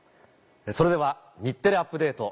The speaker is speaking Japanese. それでは『日テレアップＤａｔｅ！』